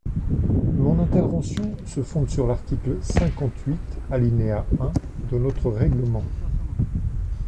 Mon intervention se fonde sur l’article cinquante-huit, alinéa un de notre règlement.